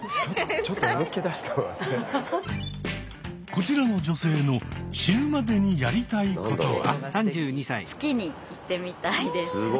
こちらの女性の死ぬまでにやりたいことは？